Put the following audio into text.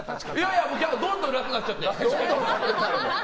いや、どんどん楽になっちゃって。